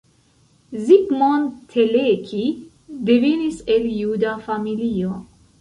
Zsigmond Teleki devenis el juda familio.